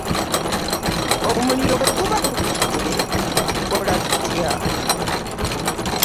Omuliro bwe guba gukutte, tukola tutya.